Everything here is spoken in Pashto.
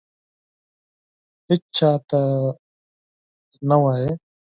هیچا ته به نه وایې !